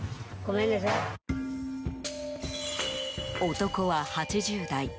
男は８０代。